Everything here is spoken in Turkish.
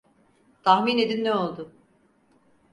Tahmin edin ne oldu?